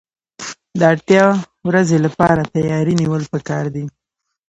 د اړتیا ورځې لپاره تیاری نیول پکار دي.